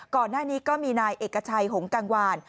ก่อนหน้านี้ก็มีนายเอกชัยหงกังวาน